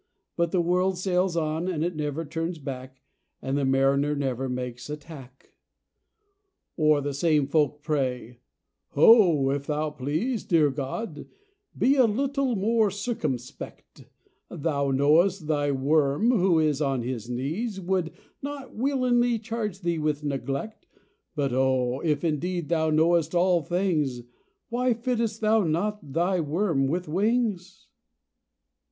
But the world sails on and it never turns back And the Mariner never makes a tack. Or the same folk pray "O, if Thou please, Dear God, be a little more circumspect; Thou knowest Thy worm who is on his knees Would not willingly charge thee with neglect, But O, if indeed Thou knowest all things, Why fittest Thou not Thy worm with wings?"